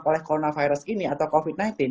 oleh coronavirus ini atau covid sembilan belas